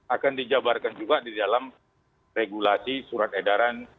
akan dijabarkan juga di dalam regulasi surat edaran